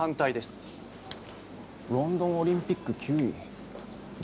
ロンドンオリンピック９位。